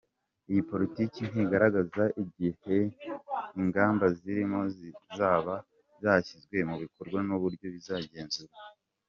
Iyi politiki ntigaragaza igihe ingamba zirimo zizaba zashyizwe mu bikorwa n’uburyo bizagenzurwa.